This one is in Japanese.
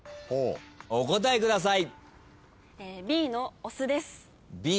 お答えください。